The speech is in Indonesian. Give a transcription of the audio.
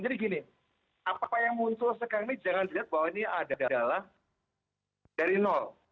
jadi gini apa yang muncul sekarang ini jangan dilihat bahwa ini adalah dari nol